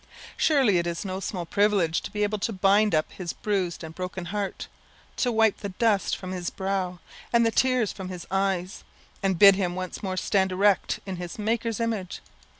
Surely it is no small privilege to be able to bind up his bruised and broken heart to wipe the dust from his brow, and the tears from his eyes and bid him once more stand erect in his Maker's image.